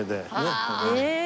へえ。